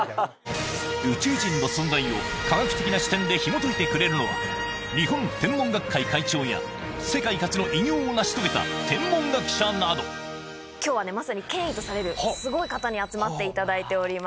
宇宙人の存在を科学的な視点でひもといてくれるのは日本天文学会会長や世界初の偉業を成し遂げた天文学者などすごい方に集まっていただいております。